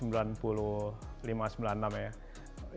jadi saya dulu berusaha berusaha berusaha berusaha